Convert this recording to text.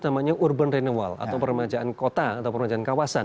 namanya urban renewal atau peremajaan kota atau peremajaan kawasan